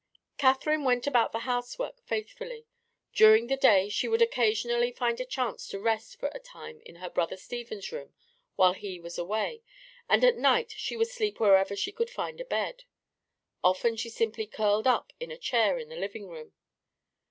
Catherine went about the housework faithfully. During the day she would occasionally find a chance to rest for a time in her brother Stephen's room while he was away, and at night she would sleep wherever she could find a bed. Often she simply curled up in a chair in the living room.